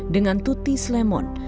dengan tuti slemon